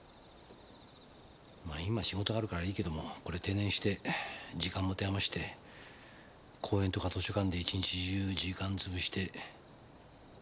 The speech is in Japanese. まあ今は仕事があるからいいけどもこれ定年して時間持て余して公園とか図書館で１日中時間潰して。